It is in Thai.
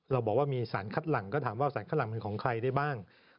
เราบอกว่ามีสารคัดหลังก็ถามว่าสารคัดหลังเป็นของใครได้บ้าง